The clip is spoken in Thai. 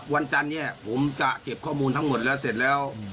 วันจันทร์เนี่ยผมจะเก็บข้อมูลทั้งหมดแล้วเสร็จแล้ว